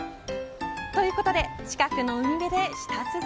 ということで近くの海辺で舌鼓。